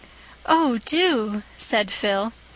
"Oh, do," said Phil.